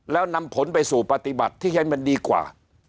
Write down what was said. แล้วนำผลไปสู่ปฏิบัติที่ให้มันดีกว่า